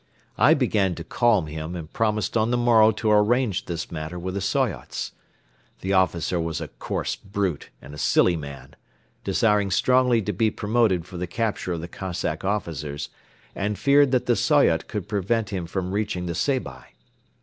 I began to calm him and promised on the morrow to arrange this matter with the Soyots. The officer was a coarse brute and a silly man, desiring strongly to be promoted for the capture of the Cossack officers, and feared that the Soyot could prevent him from reaching the Seybi.